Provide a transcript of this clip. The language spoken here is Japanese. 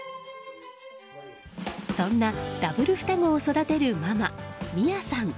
そんなダブル双子を育てるママ美弥さん。